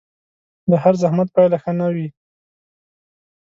د هر زحمت پايله ښه نه وي